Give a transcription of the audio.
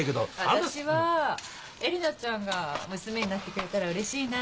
私はえりなちゃんが娘になってくれたらうれしいな。